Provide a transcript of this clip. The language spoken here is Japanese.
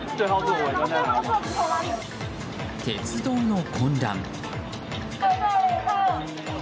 鉄道の混乱。